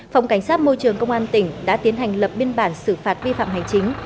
phòng cảnh sát môi trường công an tỉnh đã tiến hành lập biên bản xử phạt vi phạm hành chính